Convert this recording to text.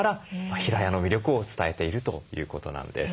平屋の魅力を伝えているということなんです。